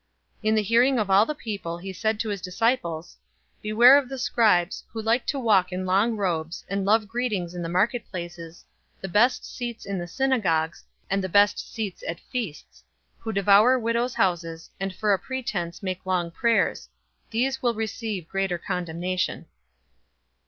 020:045 In the hearing of all the people, he said to his disciples, 020:046 "Beware of the scribes, who like to walk in long robes, and love greetings in the marketplaces, the best seats in the synagogues, and the best places at feasts; 020:047 who devour widows' houses, and for a pretense make long prayers: these will receive greater condemnation."